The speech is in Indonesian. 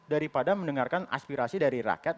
daripada mendengarkan aspirasi dari rakyat